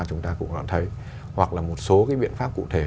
chúng ta cũng đã thấy hoặc là một số cái biện pháp cụ thể